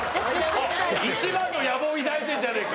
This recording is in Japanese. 一番の野望を抱いてんじゃねえか。